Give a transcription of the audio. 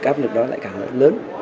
các lực đó lại khá là lớn